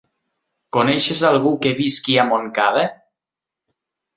Coneixes algú que visqui a Montcada?